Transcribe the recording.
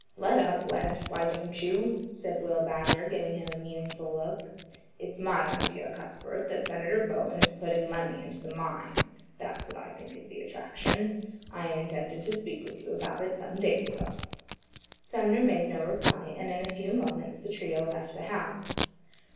"Let up, West, why don't you?" said Will Badger giving him a meaning look. "It's my idea, Cuthbert, that Senator Bowen is putting money into the mine. That's what I think is the attraction. I intended to speak to you about it some days ago." Sumner made no reply, and in a few moments the trio left the house.